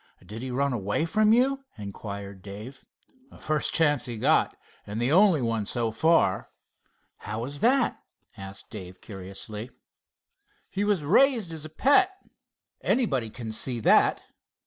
"Did he run away from you?" inquired Dave. "First chance he got—and the only one, so far." "How is that?" asked Dave curiously. "He was raised a pet." "Anybody can see that."